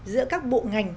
giữa các bộ ngành